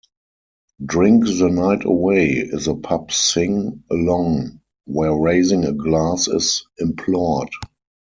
"Drink the Night Away" is a pub sing-along where raising a glass is implored.